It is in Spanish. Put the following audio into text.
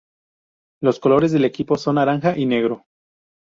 Los colores del equipo son naranja y negro.